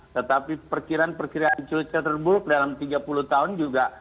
tetapi perkiraan perkiraan cuaca terburuk dalam tiga puluh tahun juga